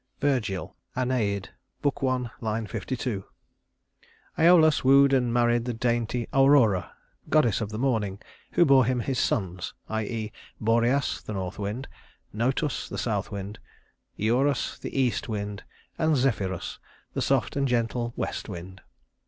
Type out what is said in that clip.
" VIRGIL, Æneid, Book I, line 52. Æolus wooed and married the dainty Aurora, goddess of the morning, who bore him his sons, i.e. Boreas, the north wind; Notus, the south wind; Eurus, the east wind; and Zephyrus, the soft and gentle west wind.